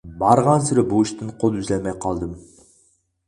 بارغانسېرى بۇ ئىشتىن قول ئۈزەلمەي قالدىم.